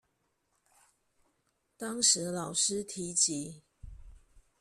當時老師提及